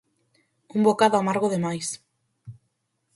Un bocado amargo de máis.